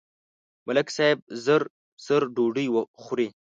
ملک صاحب زر زر ډوډۍ خوري.